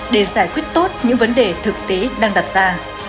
để giải quyết tốt những vấn đề thực tế đang đặt ra